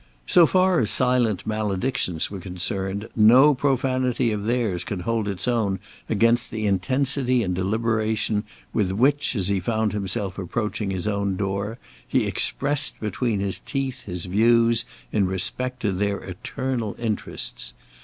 So far as silent maledictions were concerned, no profanity of theirs could hold its own against the intensity and deliberation with which, as he found himself approaching his own door, he expressed between his teeth his views in respect to their eternal interests.